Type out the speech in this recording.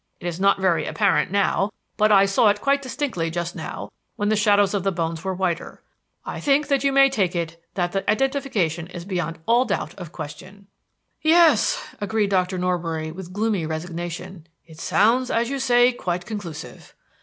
It is not very apparent now, but I saw it quite distinctly just now when the shadows of the bones were whiter. I think that you make [Transcriber's note: may?] take it that the identification is beyond all doubt or question." "Yes," agreed Dr. Norbury, with gloomy resignation, "it sounds, as you say, quite conclusive.